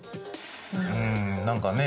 うん何かね